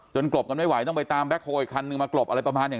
กลบกันไม่ไหวต้องไปตามแบ็คโฮลอีกคันนึงมากลบอะไรประมาณอย่าง